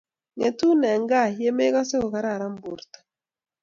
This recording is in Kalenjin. ng'etun eng' gaa ye mekase ko kararan borto